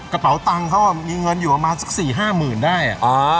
กระเป๋าตังค์เขามีเงินอยู่ประมาณสักสิบห้าหมื่นได้อ่ะอ่า